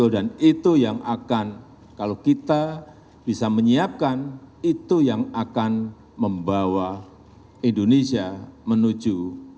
dan itu yang akan kalau kita bisa menyiapkan itu yang akan membawa indonesia menuju